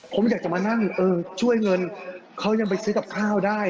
ผมอยากจะมานั่งเออช่วยเงินเขายังไปซื้อกับข้าวได้